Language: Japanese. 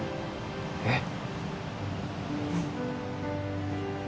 えっ。